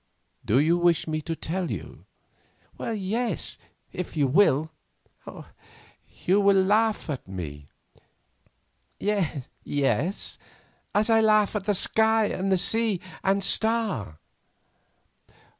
"Do you wish me to tell you?" "Yes, if you will." "You will laugh at me." "Yes—as I laugh at that sky, and sea, and star."